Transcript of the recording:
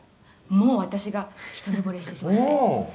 「もう私がひと目ぼれしてしまって」